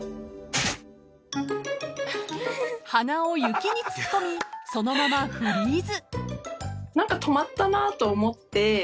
［鼻を雪に突っ込みそのままフリーズ］